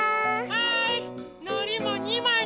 はい。